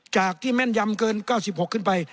จากที่แม่นยำเกิน๙๖ขึ้นไป